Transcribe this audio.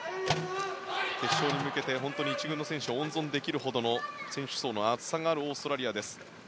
決勝に向けて１軍の選手を温存できるほどの選手層の厚さがあるオーストラリアです。